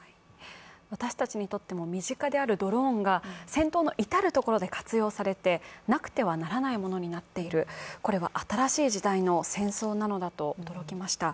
私たちにとっても身近であるドローンが戦闘の至る所で活用されて、なくてはならないものになっている、これは新しい時代の戦争なのだと驚きました。